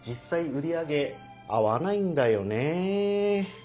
売り上げ合わないんだよね。